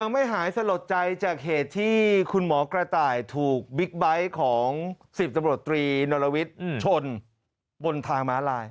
ไม่หายสลดใจจากเหตุที่คุณหมอกระต่ายถูกบิ๊กไบท์ของ๑๐ตำรวจตรีนรวิทย์ชนบนทางม้าลาย